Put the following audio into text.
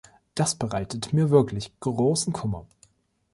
Das bereitet mir wirklich großen Kummer.